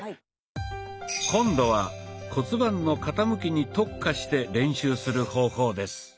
今度は骨盤の傾きに特化して練習する方法です。